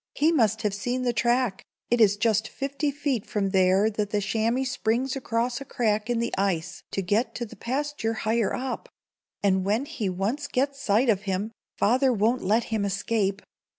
"He must have seen the track. It is just fifty feet from there that the chamois springs across a crack in the ice to get to the pasture higher up; and when he once gets sight of him, father won't let him escape.